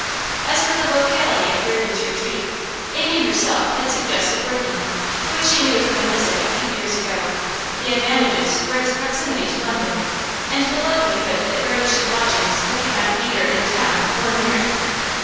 As for the locality of Reardon's retreat, Amy herself had suggested Worthing, which she knew from a visit a few years ago; the advantages were its proximity to London, and the likelihood that very cheap lodgings could be found either in the town or near it.